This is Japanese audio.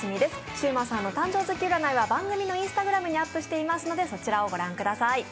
シウマさんの誕生月占いは番組のＩｎｓｔａｇｒａｍにアップしていますのでそちらを御覧ください。